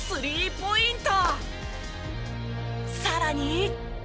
ポイント